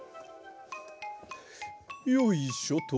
よいしょと。